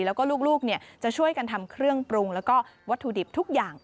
แล้วก็ลูกจะช่วยกันทำเครื่องปรุงแล้วก็วัตถุดิบทุกอย่าง